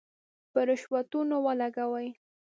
په رشوتونو ولګولې.